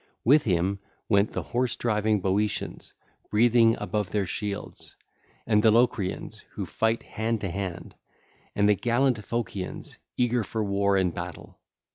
With him went the horse driving Boeotians, breathing above their shields, and the Locrians who fight hand to hand, and the gallant Phocians eager for war and battle.